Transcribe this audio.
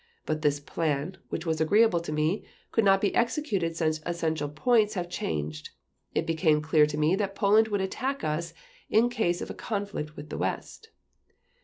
But this plan, which was agreeable to me, could not be executed since essential points have changed. It became clear to me that Poland would attack us in case of a conflict with the West."